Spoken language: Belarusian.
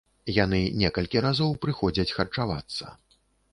Яны некалькі разоў прыходзяць харчавацца.